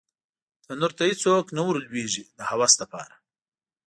تنور ته هېڅوک نه ور لویږې د هوس لپاره